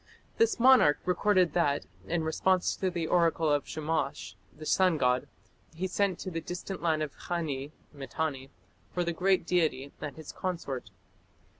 This monarch recorded that, in response to the oracle of Shamash, the sun god, he sent to the distant land of Khani (Mitanni) for the great deity and his consort.